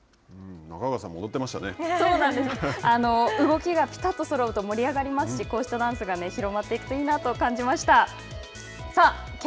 動きがぴたっとそろうと盛り上がりますしこうしたダンスが広まっていくといいなと感じました。